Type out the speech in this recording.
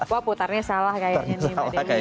wah putarnya salah kayak gini